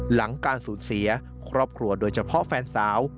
หลังการสูญเสียครอบครัวโดยเฉพาะแฟนสาว